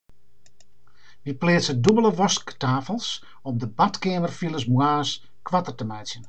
Wy pleatse dûbelde wasktafels om de badkeamerfiles moarns koarter te meitsjen.